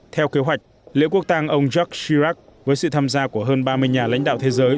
theo kế hoạch liễu quốc tàng ông jacques girard với sự tham gia của hơn ba mươi nhà lãnh đạo thế giới